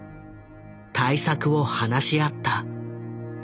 対策を話し合った。